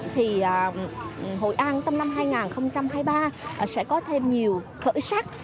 thì hội an trong năm hai nghìn hai mươi ba sẽ có thêm nhiều khởi sắc